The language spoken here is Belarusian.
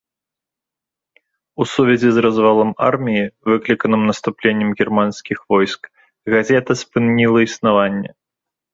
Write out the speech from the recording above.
У сувязі з развалам арміі, выкліканым наступленнем германскіх войск, газета спыніла існаванне.